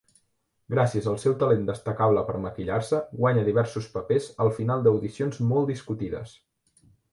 Gràcies al seu talent destacable per maquillar-se guanya diversos papers al final d'audicions molt discutides.